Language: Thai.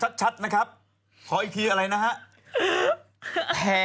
ขอให้อ่านชัดนะครับขออีกทีอะไรนะฮะ